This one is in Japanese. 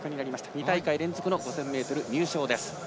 ２大会連続の５０００ｍ入賞です。